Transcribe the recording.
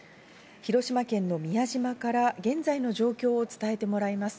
広島県の宮島から現在の状況を伝えてもらいます。